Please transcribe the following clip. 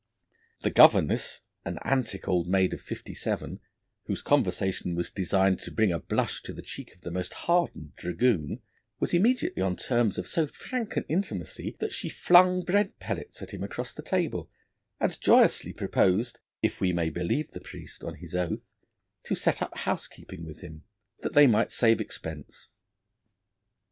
The governess, an antic old maid of fifty seven, whose conversation was designed to bring a blush to the cheek of the most hardened dragoon, was immediately on terms of so frank an intimacy that she flung bread pellets at him across the table, and joyously proposed, if we may believe the priest on his oath, to set up housekeeping with him, that they might save expense.